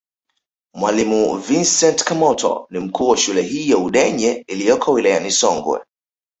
Mwalimu Vincent Kamoto ni mkuu wa shule hii ya Udenye iliyoko wilayani Songwe